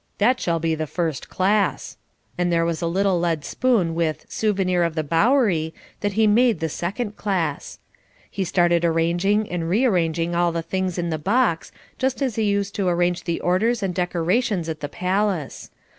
That shall be the first class." And there was a little lead spoon with "Souvenir of the Bowery" that he made the second class. He started arranging and rearranging all the things in the box, just as he used to arrange the orders and decorations at the Palace.